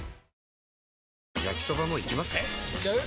えいっちゃう？